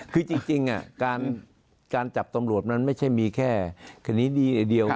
คือจริงการจับตำรวจมันไม่ใช่มีแค่คดีดีไอเดียว